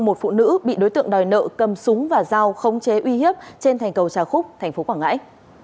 một phụ nữ bị đối tượng đòi nợ cầm súng và dao không chế uy hiếp trên thành cầu trà khúc tp quảng ngãi